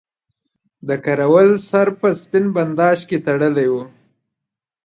د کراول سر په سپین بنداژ کې تړلی وو.